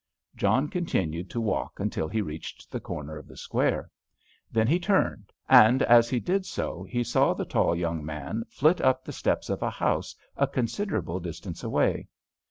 John continued to walk until he reached the corner of the square, then he turned, and as he did so he saw the tall young man flit up the steps of a house a considerable distance away.